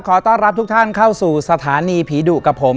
ขอต้อนรับทุกท่านเข้าสู่สถานีผีดุกับผม